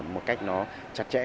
một cách nó chặt chẽ